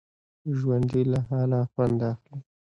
ژوندي له حاله خوند اخلي